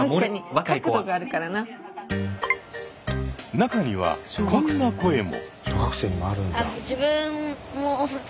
中にはこんな声も。